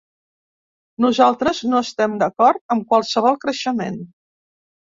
Nosaltres no estem d’acord amb qualsevol creixement.